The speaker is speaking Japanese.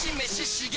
刺激！